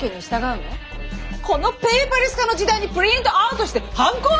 このペーパーレス化の時代にプリントアウトしてハンコ？